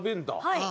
はい。